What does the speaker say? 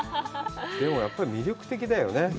でも、やっぱり魅力的だよね。